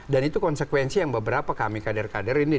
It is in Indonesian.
dan itu konsekuensi yang beberapa kami kader kader ini